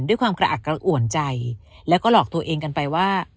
ด้วยความกระอักกระอ่วนใจแล้วก็หลอกตัวเองกันไปว่า